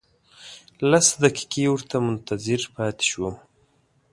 لس دقیقې ورته منتظر پاتې شوم.